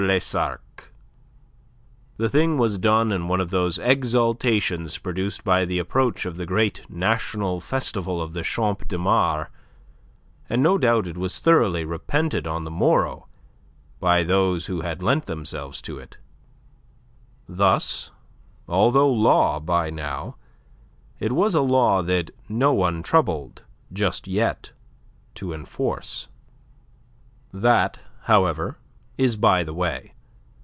Lesarques. The thing was done in one of those exaltations produced by the approach of the great National Festival of the Champ de Mars, and no doubt it was thoroughly repented on the morrow by those who had lent themselves to it. Thus, although law by now, it was a law that no one troubled just yet to enforce. That, however, is by the way.